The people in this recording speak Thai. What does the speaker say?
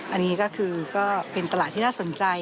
อันนี้ก็คือก็เป็นตลาดที่น่าสนใจ